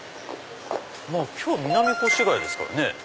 今日南越谷ですからね。